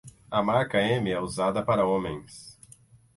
A marca M é usada para homens.